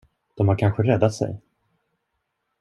De har kanske räddat sig.